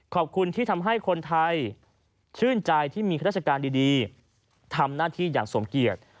ขอบคุณที่ทำให้คนไทยชื่นใจที่มีข้าราชการดีทำหน้าที่อย่างสมเกียจ